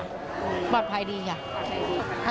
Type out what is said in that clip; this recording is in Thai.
ก็ดีค่ะปลอดภัยดีค่ะ